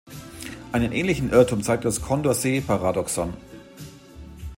Einen ähnlichen Irrtum zeigt das Condorcet-Paradoxon.